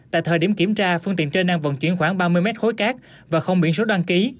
tại thời điểm kiểm tra phương tiện trên đang vận chuyển khoảng ba mươi mét khối cát và không biển số đăng ký